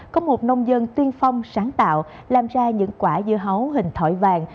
có một nông dân tiên phong sáng tạo làm ra những quả dưa hấu hình thỏi vàng